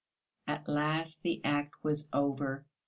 At last the act was over.